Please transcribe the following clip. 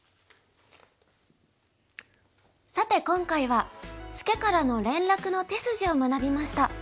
さて今回はツケからの連絡の手筋を学びました。